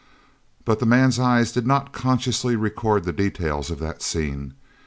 But the man's eyes did not consciously record the details of that scene.